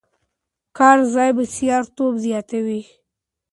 کار ځان بسیا توب زیاتوي.